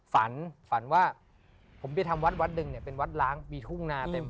ฝันฝันว่าผมไปทำวัดวัดหนึ่งเนี่ยเป็นวัดล้างมีทุ่งนาเต็ม